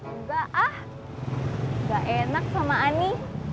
enggak ah gak enak sama ani